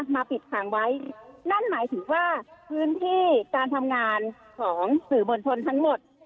มาปิดขังไว้นั่นหมายถึงว่าพื้นที่การทำงานของสื่อมวลชนทั้งหมด